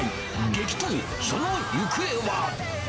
激闘、その行方は。